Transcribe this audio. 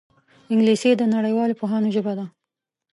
انګلیسي د نړیوالو پوهانو ژبه ده